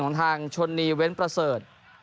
ทางชนนีเว้นประเสริฐ